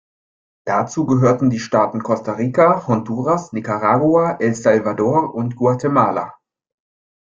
Dazu gehörten die Staaten Costa Rica, Honduras, Nicaragua, El Salvador und Guatemala.